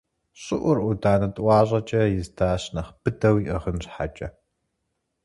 ЩӀыӀур Ӏуданэ тӀуащӀэкӀэ издащ нэхъ быдэу иӀыгъын щхьэкӀэ.